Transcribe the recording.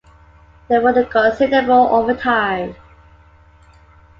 They worked considerable overtime.